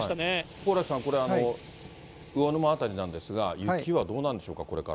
蓬莱さん、これ、魚沼辺りなんですが、雪はどうなんでしょうか、これから。